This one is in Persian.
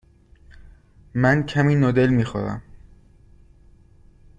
من کمی نودل می خورم.